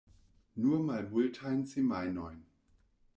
Nur malmultajn semajnojn.